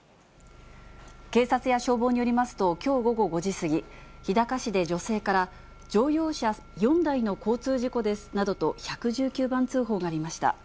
警察や消防によりますと、きょう午後５時過ぎ、日高市で女性から、乗用車４台の交通事故ですなどと１１９番通報がありました。